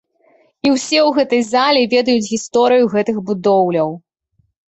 І ўсе ў гэтай залі ведаюць гісторыю гэтых будоўляў.